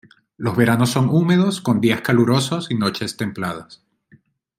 Los veranos son húmedos, con días calurosos y noches templadas.